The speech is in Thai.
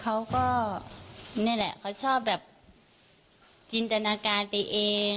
เขาก็นี่แหละเขาชอบแบบจินตนาการไปเอง